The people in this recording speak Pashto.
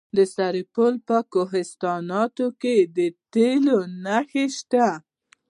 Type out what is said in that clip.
د سرپل په کوهستانات کې د تیلو نښې شته.